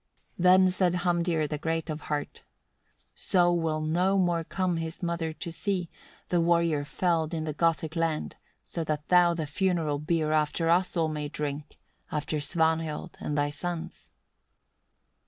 8. Then said Hamdir, the great of heart: "So will no more come his mother to see, the warrior felled in the Gothic land, so that thou the funeral beer after us all may drink, after Svanhild and thy sons."